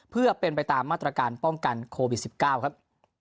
เพื่อเป็นไปตามมาตรการป้องกันโควิด๑๙ครับ